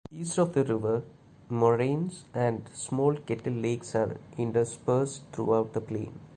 East of the river, moraines and small kettle lakes are interspersed throughout the plain.